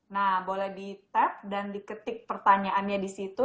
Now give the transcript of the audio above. nah boleh di tap dan diketik pertanyaannya di situ